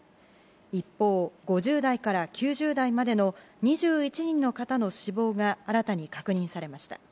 一方、５０代から９０代までの２１人の方の死亡が新たに確認されました。